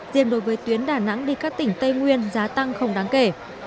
riêng đối với tuyến đà nẵng đi các tỉnh tây nguyên giá tăng không đáng kể